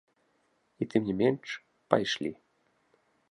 І, тым не менш, пайшлі.